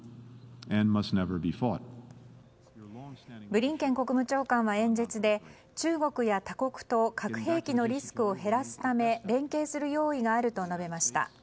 ブリンケン国務長官は演説で中国や他国と核兵器のリスクを減らすため連携する用意があると述べました。